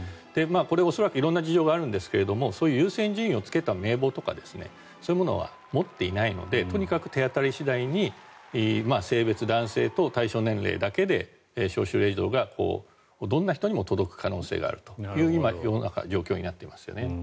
これ、恐らく色んな事情があるんですがそういう優先順位をつけた名簿とかそういうものは持っていないのでとにかく手当たり次第に性別、男性と対象年齢だけで招集令状がどんな人にも届く可能性があるという状況になっていますよね。